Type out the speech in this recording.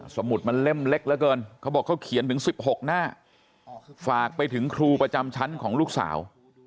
สมุดมันเล่มเล็กเหลือเกินเขาบอกเขาเขียนถึง๑๖หน้าฝากไปถึงครูประจำชั้นของลูกสาว